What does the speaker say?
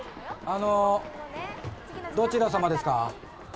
あのどちら様ですか？